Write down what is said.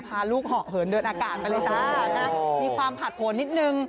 พาลูกเหาะเหินเดินอากาศไปเลยจ้านะมีความผันผลนิดนึง